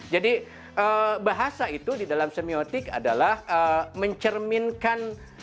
jadi bahasa itu di dalam semiotik adalah mencerminkan